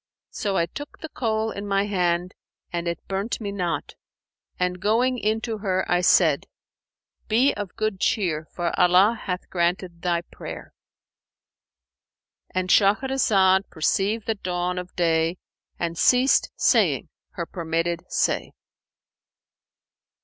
So I took the coal in my hand, and it burnt me not; and going in to her, I said, 'Be of good cheer, for Allah hath granted thy prayer!'"—And Shahrazad perceived the dawn of day and ceased saying her permitted say.